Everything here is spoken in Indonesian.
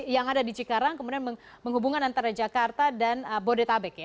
yang ada di cikarang kemudian menghubungkan antara jakarta dan bodetabek